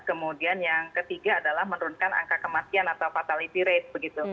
kemudian yang ketiga adalah menurunkan angka kematian atau fatality rate